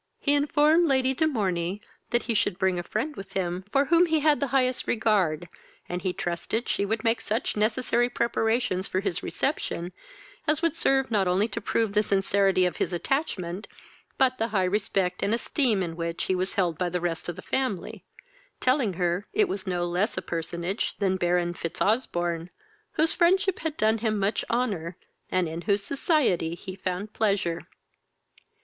He informed Lady de Morney that he should bring a friend with him for whom he had the highest regard, and he trusted she would make such necessary preparations for his reception, as would serve not only to prove the sincerity of his attachment, but the high respect and esteem in which he was held by the rest of the family; telling her it was no less a personage than Baron Fitzosbourne, whose friendship had done him much honour, and in whose society he found pleasure.